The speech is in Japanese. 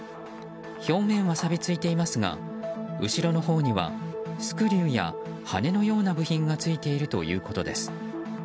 表面は錆びついていますが後ろのほうにはスクリューや羽根のような部品がついているということです。